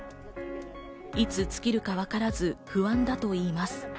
いつ尽きるかわからず、不安だといいます。